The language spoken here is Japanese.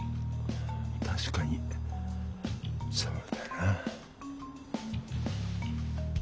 たしかにそうだな。